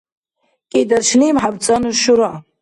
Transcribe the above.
кӀидаршлим хӀябцӀанну шура